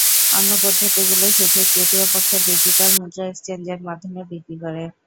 অন্য পদ্ধতিগুলো শুধু তৃতীয় পক্ষের ডিজিটাল মুদ্রা এক্সচেঞ্জের মাধ্যমে বিক্রি করে।